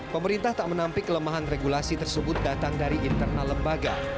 pemerintah tak menampik kelemahan regulasi tersebut datang dari internal lembaga